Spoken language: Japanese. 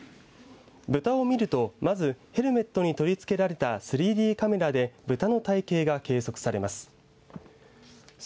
豚を見ると、まずヘルメットに取り付けられた３Ｄカメラで豚の体型が計測されます。